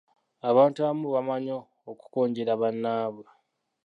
Abantu abamu bamanyi okukonjera bannaabwe;